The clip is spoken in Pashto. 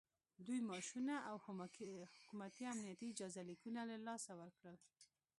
دوی معاشونه او حکومتي امنیتي اجازه لیکونه له لاسه ورکړل